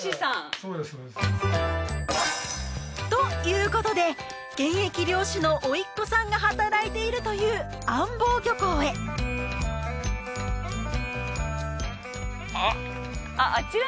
そうですそうですということで現役漁師の甥っ子さんが働いているという安房漁港へあっね